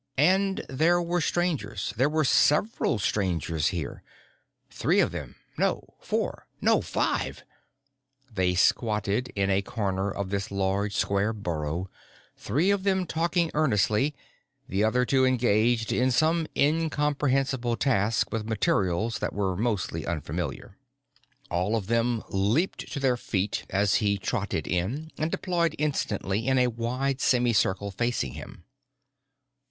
And there were Strangers, there were several Strangers here. Three of them no, four no, five! They squatted in a corner of this large, square burrow, three of them talking earnestly, the other two engaged in some incomprehensible task with materials that were mostly unfamiliar. All of them leaped to their feet as he trotted in and deployed instantly in a wide semi circle facing him.